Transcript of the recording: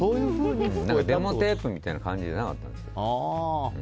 デモテープみたいな感じじゃなかったんです。